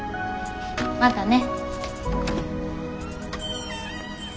またね。